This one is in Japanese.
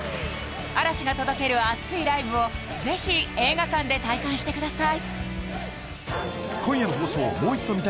嵐が届ける熱いライブを是非映画館で体感してください